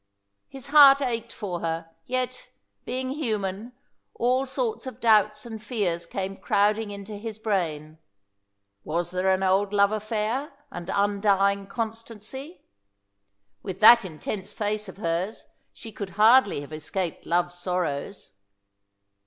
His heart ached for her. Yet, being human, all sorts of doubts and fears came crowding into his brain. Was there an old love affair and undying constancy? With that intense face of hers she could hardly have escaped love's sorrows.